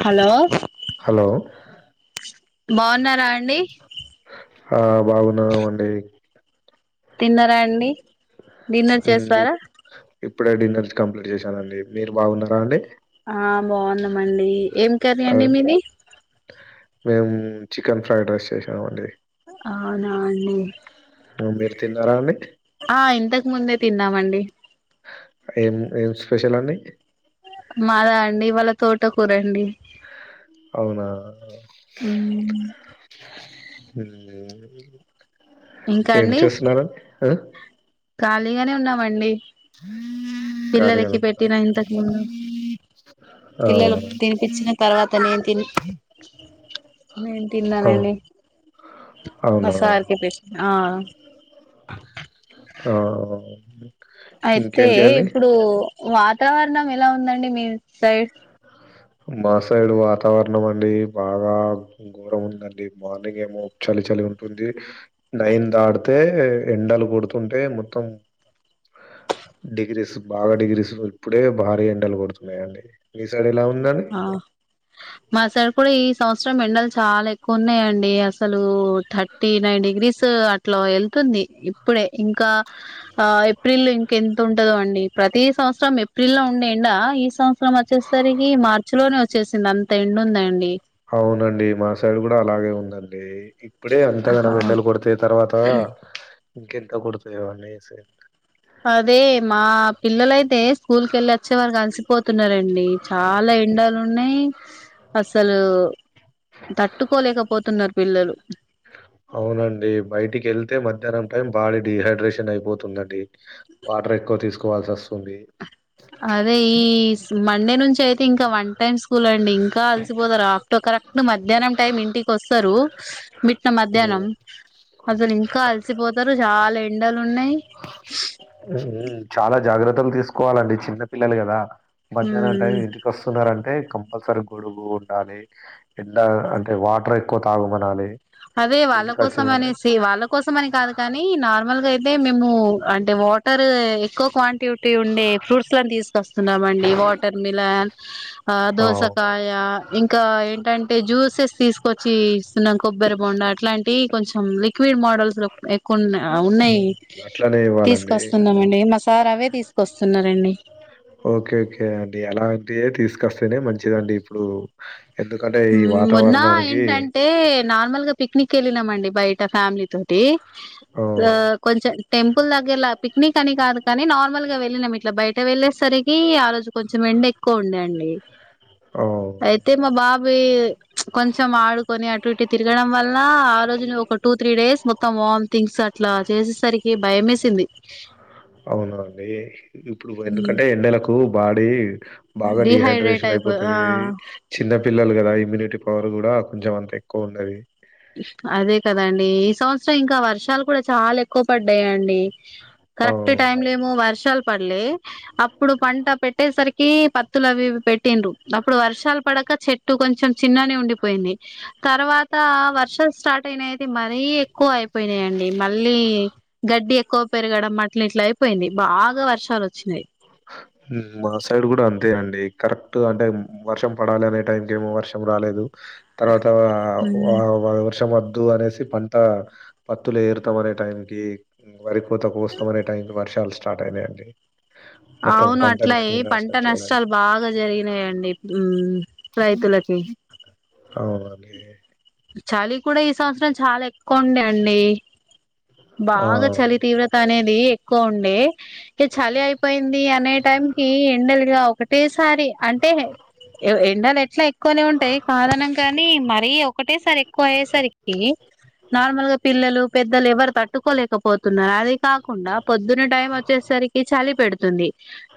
Hello hello బాగున్నరా అండి ఆ బాగున్నాం అండి తిన్నరా అండి డిన్నర్ ఉమ్, చేసారా ఇప్- ఇప్పుడే డిన్నర్స్ కంప్లీట్ చేశానండి మీరు బాగున్నారా అండి ఆ బాగున్నమండి ఏం కకర్రీ ఆ, అండి మీది మేము చికెన్ ఫ్రైడ్ రైస్ చేసాం అండి అవునా అండి మీరు తిన్నారా అండి ఆ ఇంతకు ముందే తిన్నామండి ఏం ఏం స్పెషల్ అండి. మాదా అండి ఇవాళ తోట కూరండి. అవునా ఊ ఊ ఇంకా ఏం అండి చేస్తున్నారు. హ ఖాళీగానే ఉన్నామండి. పిల్లలకి ఖాళీగానే ఉన్నారా పెట్టిన ఇంతకు ముందు ఆ పిల్లలకి తినిపించిన తర్వాత నేను తిని నేను ఆ, తిన్నానండి మా అవునా సార్కి పెట్టినా ఆ ఆ అయితే ఇంకేంటి అండి ఇప్పుడు వాతావరణం ఎలా ఉందండి మీ సైడ్ మా సైడ్ వాతావరణం అండి బాగా ఘోరం ఉందండి మార్నింగ్ ఏమో చలి చలి ఉంటుంది. నైన్ దాడితే ఎండలు కొడుతుంటే మొత్తం డిగ్రీస్ బాగా డిగ్రీస్ ఇప్పుడే భారీ ఎండలు కొడుతున్నాయండి మీ సైడ్ ఎలా ఉంది. ఆ మాసైడ్ కూడా ఈ సంవత్సరం ఎండలు చాలా ఎక్కువ ఉన్నాయండి అసలు థర్టీ నైన్ డిగ్రీస్ అట్లా వెళ్తుంది ఇప్పుడే ఇంకా ఆ ఏప్రిల్లో ఇంకెంతుంటదో అండి. ప్రతి సంవత్సరం ఏప్రిల్ లో ఉండే ఎండ ఈ సం సంవత్సరం వచ్చేసరికి మార్ కొచ్చేసింది అంత ఎండుందండి. ఔనండి మా సైడ్ గూడా అలాగే ఉందండి. ఇప్పుడే అంతగనం వెండలు కొడితే తర్వాత ఇంకెంత గొడతయో అనేసి అదే మా పిల్లలయితే స్కూల్కెళ్ళొచ్చే వరికి అలిసిపోతున్నారండి. చాలా ఎండలున్నాయి అసలు ఒ తట్టుకోలేకపోతున్నారు పిల్లలు ద్యాన్నం టైం బాడీ డీహైడ్రేషన్ అయిపోతుందండి. వాటర్ ఎక్కువ తీస్ కోవాల్సొస్తుంది. అదే ఈ మండే నుంచైతే ఇంక్ తొ వన్ వన్ టైం స్కూలో అండి ఇంకా అలసిపోతారు ఆఫ్టర్ కరెక్ట్ మధ్యాహ్నం టైం ఇంటికొస్తారు. మిట్ట ఉమ్, మధ్యాహ్నం అసలు ఇంకా అలసిపోతారు చాలా ఎండలున్నాయ్. ఉమ్, చాలా జాగ్రత్తలు తీసుకోవాలండి చిన్న పిల్లలు గదా మధ్యానం ఉమ్ టైం ఇంటికొస్తున్నారంటే కంపల్సరి గొడుగు ఉండాలి. ఎండ అంటే వాటరె ఎక్కువ తాగు మనాలి అదే వాళ్ళ కోసం అనేసి వాళ్ళ కోసం అని కాదు కానీ నార్మల్గా అయితే మేము అంటే వాటరే ఎక్కువ క్వాన్ క్వాంటిటీ ఉండే ఫ్రూట్స్ లను తీస్కొస్తున్నామండి వాటర్ మిలన్ ఆ దోసకాయ ఇంకా ఏంటంటే జ్యూసెస్ తీస్కొచ్చి ఇస్తున్నాం కొబ్బరి బోండా అట్లాంటివి కొంచెం లిక్విడ్ మోడల్స్ లో ఎక్కువ ఉమ్, ఉన్నయ్ అట్లనే ఇవ్వాలండి తీసుకొస్తున్నామండి మస్ సార్ అవే తీస్కొస్తున్నారండి ఓకేకే అండి అలాంటివే తీసుకొస్తేనే మంచిదండి ఇప్పుడు ఎందుకంటే ఈ మ్మ్ మొన్న వాతావరణానికి ఏంటంటే నార్మల్ గా పిక్నిక్ కి వెళ్ళినాంమండి బయట ఫ్యామిలీ తోటి ఆ కొంచెం టెంపుల్ దగ్గరలా పిక్నిక్ అని కాదు కానీ నార్మల్ గా వెళ్ళినాం ఇట్లా బయట వెళ్ళేసరికి ఆ రోజు కొంచెం ఎండ ఎక్కువ ఉంది అండీ ఆ అయితే మా బాబ్ కొంచం ఆడుకొని అ అటు ఇటు తిరగడం వల్ల ఆ రోజు ఒక టూ త్రీ డేస్ మొత్తం వామ్తింగ్స్ అట్లా చేసేసరికి భయమేసింది అవునా అండి ఇప్పుడు మ్మ్ ఎందుకంటే ఎండలకు బాడీ బాగా డిహైడ్రేట్ డిహైడ్రేషన్ అయిపో ఆ అయిపోతది చిన్న పిల్లలు కదా ఇమ్యూనిటీ పవర్ కూడా కొంచెం అంత ఎక్కువ ఉండదు అదే కదండి ఈ సంవత్సరం ఇంకా వర్షాలు కూడా చాలా ఎక్కువ పడ్డాయండి ఆ కరెక్ట్ టైమ్ లే ఏమో వర్షాలు పల్లే అప్పుడు పంట పెట్టేసరికి పత్తులు అవి పెట్టిండ్రు అప్పుడు వర్షాలు పడక చెట్టు కొంచెం చిన్ననే ఉండిపోయింది తర్వాత వర్షం స్టార్ట్ అయితే మరీ ఎక్కువ అయిపోయినాయండి మళ్ళీ గడ్డి ఎక్కువ పెరుగడం అట్లా ఇట్లయి పోయింది బాగా వర్షాలు వచ్చినాయి మా సైడ్ కూడా అంతే అండి కరెక్ట్ అంటే వర్షం పడాలి అనే టైంకి ఏమో వర్షం రాలేదు తర్వాత ఉమ్. వర్షం వ వద్దు అనేసి పంట పత్తులు ఏరుతాం అనే టైముకి వరి కోత కోస్తామనే టైంకి వర్షాలు సా స్టార్ట్ అయినాయండి. అవును అట్లాయి పంటని పంట నాశనం చేయడానికి నష్టాలు బాగా జరిగినాయండి ఉమ్మ్ రైతులకి. అవునండి. చలి కూడా ఈ సంవత్సరం చాలా ఎక్, కుండే అండి. ఆ బాగా చలి తీవ్రత అనేది ఎక్కువ ఉండే ఇక చలి అయిపోయింది. అనే టైం కి ఎండలుగావు. ఫేస్. ఒకసారి అంటే ఎండలు ఎట్లా ఎక్కువనే ఉంటాయి. కారణంగానీ మారి ఒకటే సరికి ఎక్కువ ఐయ్యేసరికి నార్మల్ గా పిల్లలు పెద్దలు. తట్టుకోలేకపోతున్నారు. అది కాకుండా పొద్దున్న టైం వచ్చేసరికి చలి పెడుతుంది.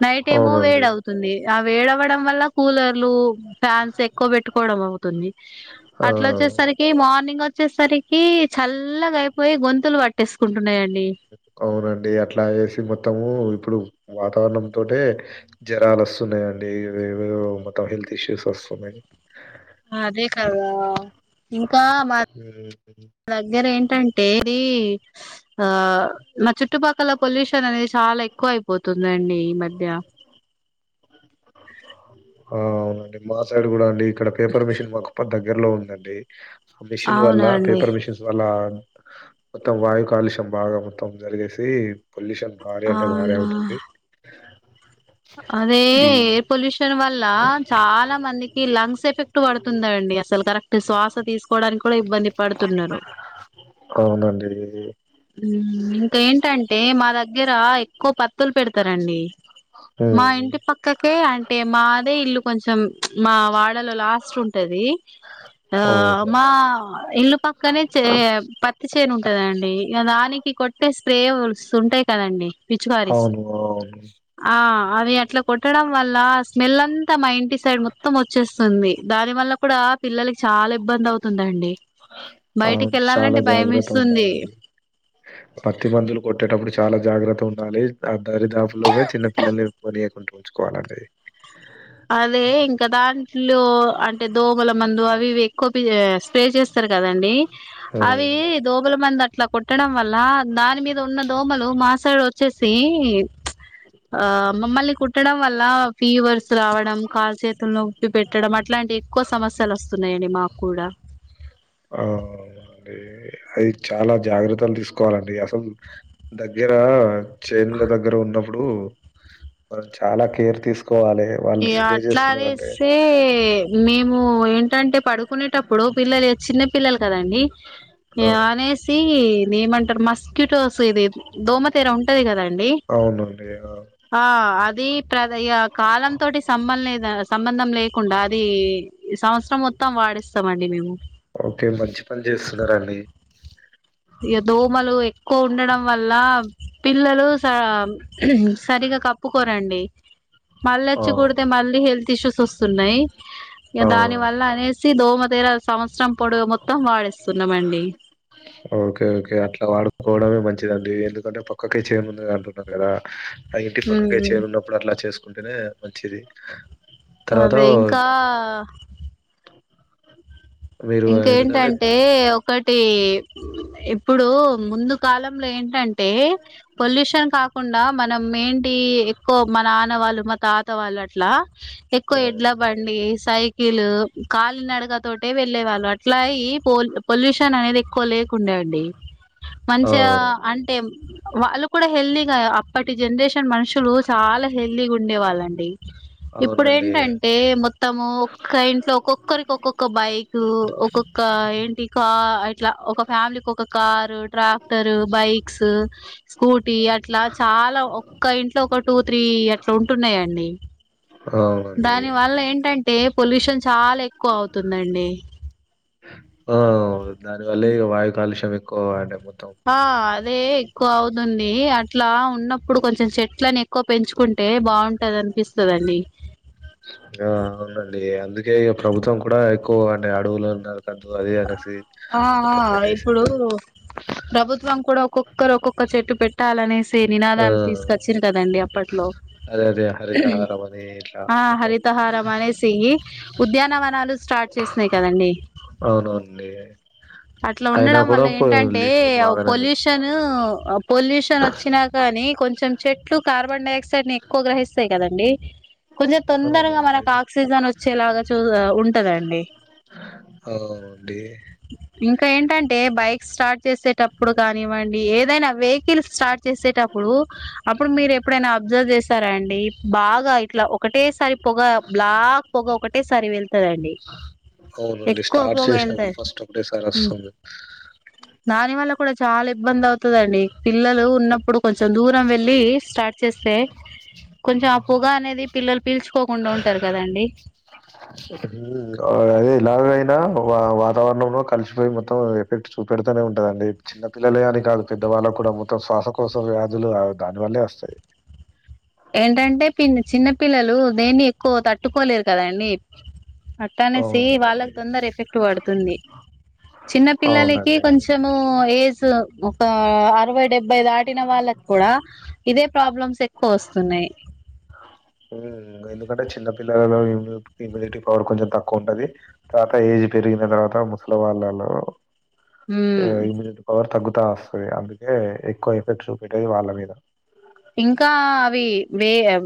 నైట్ ఏమో వేడ అవునండి అవుతుంది. ఆహ్ వేడవడం వల్ల కూలర్లు. ఫ్యాన్స్ ఎక్కువ పెట్టుకోవడం అవుత్ కొన్ని అట్లా ఆ వచ్చేసరికి మార్నింగ్ వచ్చి. వచ్చేసరికి చల్లగా అయిపోయి గొంతులు పాటేసి తెేసుకుంటున్నాయండి. అవునండి అట్లా చేసి మొత్తము ఇప్. ఇప్పుడు వాతావరణంతోటే జ్వరాలు వస్తున్నాయి అండి. ఏవేవో మొత్తం హెల్త్ ఇష్యూస్ వస్తున్నాయి. అదే కాదా. ఇంకా మా హ్మ్. మా దగ్గర ఏంటంటే ఇది. ఆహ్ మా చుట్టుపక్కల పొల్యూషన్ అనేది చాలా ఎక్కువ అయిపోతుందండి ఈ మధ్య. ఆహ్ అవునండి మా సైడ్ కూడా అండి. ఇక్కడ పేపర్ మిషన్ మాకూ దగ్గరలో ఉంది. అండి. పొల్యూషన్ వల్ల అవునండి పేపర్ మిషిన్స్ వల్ల, మొత్తం వాయు కాలుష్యం బాగా మొత్తం జరిగేసి, పొల్యూషన్ భారీ అంటే భారీ అవునా అవుతుంది. అదే. ఏ ఈ ఎయిర్ పొల్యూషన్ వల్ల చాలా మందికి లంగ్స్ ఎఫెక్ట్ పడుతుందండి. అసలు కరెక్ట్ శ్వాస తీసుకోవడానికి కూడా ఇబ్బంది పడుతున్నారు. అవునండి. ఉమ్ ఇంకా ఏంటంటే మా దగ్గర దగ్గర ఏక్ ఎక్కువ పత్తులు పెడతారండి. మా హ్మ్. ఇంటి పక్కకే అంటే మాదే ఇల్లు కొంచెం ప్చ్ మా వాడలో లాస్ట్ ఉంటది. ఆహ్ అవును. మా ఇల్లు పక్కనే పత్తి చేను ఉంటదండి. దానికి కొట్టే స్ప్రేయర్స్ ఉంటాయి కదండి. పిచుకారిస్ అవును. అవును. ఆ అవి అట్లా కొట్టడం వల్ల స్మెల్ అం అంతా మా ఇంటి సైడ్ మొత్తం వచ్చేస్తుంది దాని వల్ల కూడా పిల్లలకి చాలా ఇబ్బంది అవుతుందండి అ బయటికి చాలా వెళ్ళాలంటే భయం జాగ్రత్తగా వేస్తుంది ఉండాలండి పత్తి మందులు కొట్టేటప్పుడు చాలా జాగ్రత్తగా ఉండాలి అం దరిదాఫు లోనే చిన్న పిల్లల్ని పోనియకుండ్రి ఉంచుకోవాలండి అదే ఇంకా దాంట్లో అంటే దోమల మందు అవి ఇవి కొద్దిగా స్ప్రే చేస్తారు కదండి అవి హ్మ్. దోమల మంద ఇట్లా కొట్టడం వల్ల దాని మీద ఉన్న దోమలు మా సైడు వచి వచ్చేసి ఆ అమ్మ మళ్లీ కు కుట్టడం వల్ల ఫీ రావడం కాలు చేతులను ఉప్పి పెట్టడం అట్లాంటి ఎక్కువ సమస్యలు వస్తున్నాయండి మాకు కూడా ఆ అ అది చాలా జాగ్రత్తలు తీసుకోవాలండి అసలు దగ్గర చేన్ల దగ్గర ఉన్న ఇప్పుడు మనం చాలా కేర్ తీసుకు ఇగ అట్లాదిస్తే మేము మేము ఏంటంటే పడుకునేటప్పుడు పిల్లలు వచ్చిన పిల్లలు కదండి ఆ! ఇగ అనేసి ఏమంటారు మస్క్యూటోస్ ఇది దోమతెర ఉంటది కదండి అవునండి. ఆ! ఆ అది ప్ర కాలం సంబం లేద సంబంధం లేకుండా అది సంవత్సరం మొత్తం వాడిస్తాండి మేము ఓకే. మంచి పని చేస్తున్నారండి. ఇగ దోమలు ఎక్కువ ఉండడం వల్ల పిల్లలు సరిగా కప్పుకోరండి మళ్ళ ఆ! వచ్చి కుడితే మళ్ళీ హెల్త్ ఇష్యూస్ వస్తున్నాయి ఇగ ఆ! దాని వల్ల అనేసి దోమలు ప సంవత్సరం పొడుగు మొత్తం వాడిస్తున్నామండి ఓకే ఓకే అట్లా వాడుకోవడమే మంచిదండి ఎందుకంటే పక్కకే చేను ఉంటుంది అంటున్నారు కదా అ ఇంటి పక్కకే చేను ఉన్నప్పుడు అట్లా చేసుకోస్ కుంటేనే మంచిది తర్వాత అదే ఇంకా మీరు ఎందుకంటే ఇంకేంటంటే ఒకటి ఇప్పుడు ముందు కాలంలో ఏంటంటే పొల్యూషన్ కాకుండా మన మెయిన్ ఎక్కువ మ నాన వాళ్ళు తాత్ వాళ్ళు అట్లా ఎక్కువ ఎడ్ల ఆ బండి సైకిలు కాల్ నడుగా తోటే వెళ్లే వాళ్ళు అట్లాయి పొల్యూషన్ అనేది ఎక్కువ లేకుండా ఉండే అండి మంచిగా అవునండి అంటే వాళ్ళు కూడా హెల్ ది గా అప్ ప్పటి జనరేషన్ మనుషులు చాలా హెల్దీగా ఉండే వాళ్ళండి. ఇప్పుడు అవునండి ఏంటంటే, మొత్తము ఒక్క ఇంట్లో ఒక్కొక్కరికి ఒక్క ఒక్క ఒక బైక్ ఒక్కొక్క ఏంటి కా అట్లా ఒక ఫ్యామిలీకి ఒక కారు, ట్రాక్టరు, బైక్స్, స్కూటీ అట్లా చాలా ఒక్క ఇంట్లో ఒక టూ త్రీ అట్లా ఉంటున్నాయండి. అవునండి దాని వల్ల ఏంటంటే పొల్యూషన్ చాలా ఎక్కువ అవుతుందండి. ఆ. దాని వల్లే వాయువు కాలుష్యంక్. కోండపో. ఆ అదే ఎక్కువ అవుతుంది అట్. ఇట్లా ఉన్నప్పుడు కొంచెం చెట్లని ఎక్కువ పెంచుకుంటే బాగుంటది అనిపిస్తదండి. ఆ అవునండి అందుకే ఇగ ప్రభుత్వం కూడా ఎక్కువ అంటే అడుగుతునర్. ఆ ఆ ఇప్పుడు పెట్టేసింది ప్రభుత్వం కూడ, ఒక్కొక్కరు, ఒక్కొక్క చెట్టు పెట్టాలనేసి, ఆ నినాదాలు తీసుకొచ్చిరి కదా అండి అప్పట్లో అదే అదే హరితహారం అని ఇట్లా ఆ మొత్తం హరి తాహారం అనేసి ఉద్యానవనాలు స్టార్ట్ చేసినయ్ కదండి. అవునండి అట్లా అయినా ఉండడం కూడా వల్ల ఏంటంటే పొల్యూషన్ బాగానే ఉంటుంది పొల్యూషను. పొల్యూషన్ వచ్చినా కానీ. కొంచెం చెట్లు కార్బన్ డై ఆక్సైడ్. కొన్ని ఎక్కువ గ్రహిస్తాయి కదండీ. కొంచెం తొందరగా అవునండి మనకు ఆక్సిజన్ వచ్చేలాగా చూ ఉంటదండి. అవునండి ఇంకా ఏంటంటే బైక్ స్టార్ట్ చేసే. అప్పుడు కానివ్వండి ఏదైనా, వెహికల్ స్టార్ట్ చేసేటప్పుడు, అప్పుడు మీరు ఎప్పుడైనా అబ్జర్వ్ చేసారా అండి. బాగా ఇట్లా ఒకటేసారి. పొగ బ్లాక్ పొగ ఒకటే సరి వెళ్తందండి. అవునండి స్టార్ట్ చేసినప్పుడు ఫస్ట్ అప్పుడే సారి వస్తమ్ దాని వల్ల కూడా చాలా ఇబ్బంది అవుతుందండి పిల్లలకు ఉన్నప్పు ఇప్పుడు కొంచెం దూరం వెళ్ళి స్టార్ట్ చేస్తే, కొంచెం ఆ పొగ అనేది పిల్లలు పీల్చుకోకుండా ఉంటారు. కదండి. అదే ఇలాగైనా వా వాతావరణంలో కలిసిపోయి మొత్తం అది ఎలాగైనా వాతావరణం కలిసిపోయి ఎఫెక్ట్ చూపెడుతనే ఉంటదండి చిన్న పిల్లలే అని కాదు పెద్దవాళ్ళకు కూడా మొత్తం శ్వాసకోస వ్యాధులు దానివల్లే వస్తాయి ఏంటంటే ప చిన్న పిల్లలు దేన్ని ఎక్కువ తట్టుకోలేరు కదండి అట్ట అనేసి అవునండి వాళ్ళకి తొందర ఎఫెక్ట్ పడుతుంది చిన్న పిల్లలకి అవునండి కొంచము ఏజ్ ఒక అరవై డెబ్బై దాటిన వాళ్ళకి కూడా ఇదే ప్రాబ్లమ్స్ ఎక్కు ఫస్ గలు ఎందుకంటే చిన్న పిల్లలలో ఇ ఇమ్యూనిటీ పవర్ కొంచెం తక్కువ ఉంటది తర్వాత ఏజ్ పెరిగిన తర్వాత ముసలి వాళ్ళలో ఉమ్ ఇమ్యూనిటీ పవర్ తగు వస్తుంది అందుకే ఎక్కువ ఎఫెక్ట్ చూపట్టది వాళ్ళ మీద ఇంకా అవి వ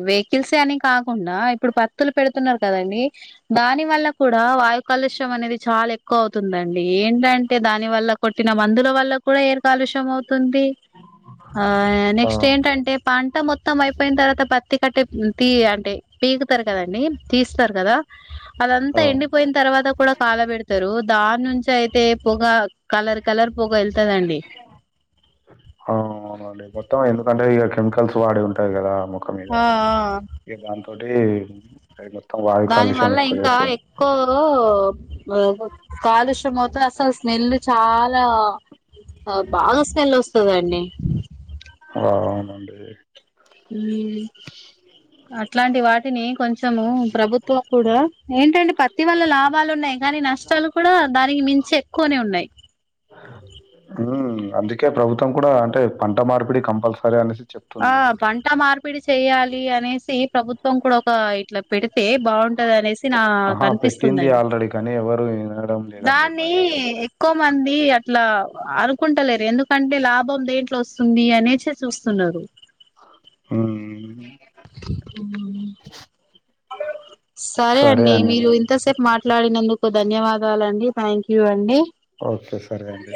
వెహికల్స్ అని కాకుండా ఇప్పుడు పత్తులు పెడుతున్నారు కదండీ దాని వల్ల కూడా వాయు కాలుష్యం అనేది చాలా ఎక్కువ అవుతుందండి ఏంటంటే దాని వల్ల కొట్టిన మందుల వల్ల కూడా ఏరు కాలుష్యం అవు తుంది ఆ ఆ నెక్స్ట్ ఏంటంటే పంట మొత్తం అయిపోయిన తర్వాత పత్తి కట్టే తీ అంటే పీగుతారు కదండి తీస్తారు కదా అదంతా ఆ ఎండిపోయిన తర్వాత కూడా కాల పెడతారు దాని నుంచి అయితే పొగ కలర్ కలర్ పొగ వెళ్తదండి హ అనే మొత్తం ఎందుకంటే ఇక కెమికల్స్ వాడి ఉంటాయి కదా ముఖం మీద ఆ ఆ ఏదాంత ఒకటి దాని వల్ల ఇంకా ఎక్కువ కాలుష్యం అవుతే అసలు స్మెల్ చాలా చాల బాగా స్మెల్ వస్తుందండి ఆ అవునండి ఉమ్ అట్లాంటి వాటిని కొంచెం కొంచెము ప్రభుత్వం కూడా ఏంటంటే పత్తి వల్ల లాభాలు ఉన్నాయి కానీ నష్టాలు కూడా దానికి మించి ఎక్కువనే ఉన్నాయి ఉమ్, అందుకే ప్రభుత్వం కూడా అంటే పంట మార్పిడి కంపల్సరీ అనే ఆ పంట మార్పిడి చెయ్యాలి అనేసి ప్రభుత్వం కొంకడు ఒక ఇట్లా పెడితే బాగుంటది అనే నా ఆహా పెట్టింది కనిపిస్తుందిండి ఆల్రెడీ కానీ ఎవరు వినడం లేదండి మా దాన్ని ఏరియాలో సైడ్ ఎక్కువ మంది అట్లా అనుకుంటలేరు ఎందుకంటే లాభం దేంట్లో వస్తుంది అనేసి చూస్తున్నారు ఉమ్ సరే అండి మీరు ఇంతసేపు మాట్ మాట్లాడినందుకు ధన్యవాదాలండి థ్యాంక్ యూ అండి ఓకే సరే అండి